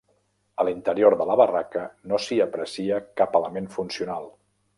A l'interior de la barraca no s'hi aprecia cap element funcional.